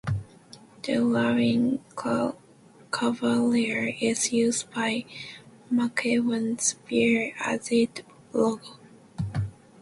The "Laughing Cavalier" is used by McEwan's beer as its logo.